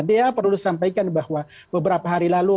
dia perlu disampaikan bahwa beberapa hari lalu